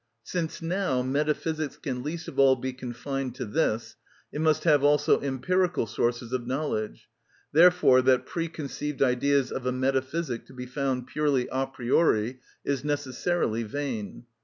Since now metaphysics can least of all be confined to this, it must have also empirical sources of knowledge; therefore that preconceived idea of a metaphysic to be found purely a priori is necessarily vain.